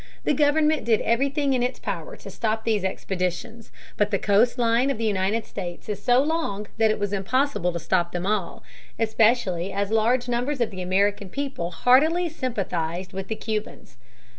The government did everything in its power to stop these expeditions, but the coast line of the United States is so long that it was impossible to stop them all, especially as large numbers of the American people heartily sympathized with the Cubans.